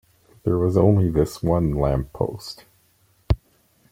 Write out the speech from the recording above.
There was only this one lamp-post.